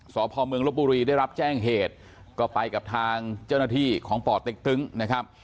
สพเมืองลบบุรีได้รับแจ้งเหตุก็ไปกับทางเจ้าหน้าที่ของป่อเต็กตึ้งนะครับ